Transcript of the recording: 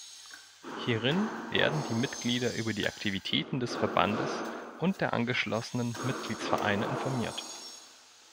Hierin werden die Mitglieder über die Aktivitäten des Verbandes und der angeschlossenen Mitgliedsvereine informiert.